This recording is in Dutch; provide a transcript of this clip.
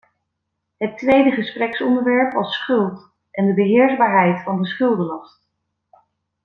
Het tweede gespreksonderwerp was schuld en de beheersbaarheid van de schuldenlast.